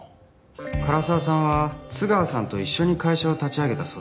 唐沢さんは津川さんと一緒に会社を立ち上げたそうですね。